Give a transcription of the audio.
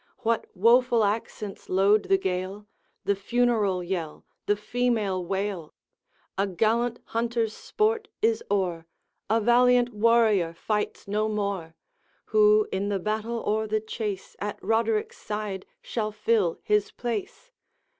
What woful accents load the gale? The funeral yell, the female wail! A gallant hunter's sport is o'er, A valiant warrior fights no more. Who, in the battle or the chase, At Roderick's side shall fill his place!